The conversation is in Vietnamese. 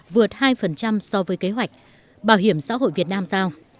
vượt hai so với kế hoạch bảo hiểm xã hội việt nam giao